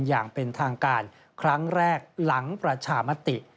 อย่างเป็นทางการครั้งแรกหลังประชามติ